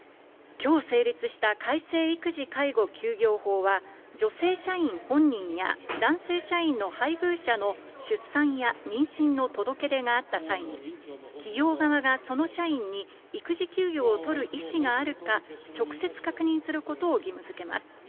きょう成立した改正育児・介護休業法は、女性社員本人や、男性社員の配偶者の出産や妊娠の届け出があった際に、企業側がその社員に、育児休業を取る意思があるか、直接確認することを義務づけます。